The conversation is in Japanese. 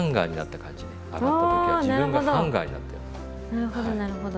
なるほどなるほど。